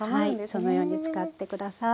はいそのように使って下さい。